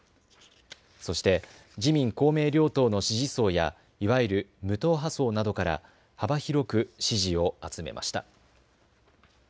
そして自民・公明両党の支持層やいわゆる無党派層などから幅広く支持を集めました。